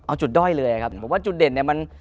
เอาจุดด้อยเลยครับผมว่าจุดเด่น